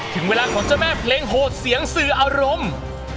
ถึงเวลาของเจ้าแม่เพลงโหดเสียงสื่ออารมณ์